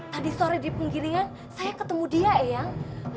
tadi sore di penggiringan saya ketemu dia eyang